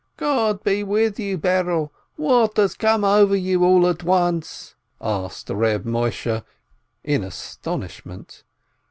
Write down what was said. "God be with you, Berel, what has come over you all at once?" asked Reb Moisheh, in astonishment.